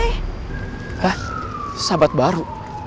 hah sahabat baru